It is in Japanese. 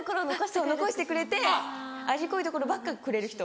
そう残してくれて味濃いところばっかくれる人。